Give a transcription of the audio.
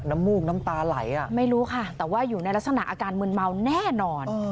มูกน้ำตาไหลอ่ะไม่รู้ค่ะแต่ว่าอยู่ในลักษณะอาการมืนเมาแน่นอน